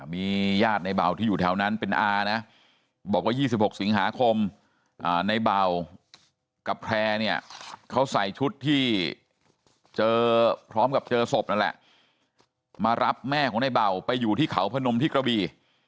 มีญาติในเบาที่อยู่แถวนั้นเป็นอานะบอกว่า๒๖สิงหาคมในเบากับแพร่เนี่ยเขาใส่ชุดที่เจอพร้อมกับเจอศพนั่นแหละมารับแม่ของในเบาไปอยู่ที่เขาพนมที่กระบี